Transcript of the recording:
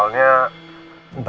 akpanya juga ket teu